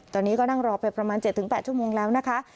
ตอนนี้ก็นั่งรอไปประมาณ๗๘ชั่วโมงแล้วนะคะ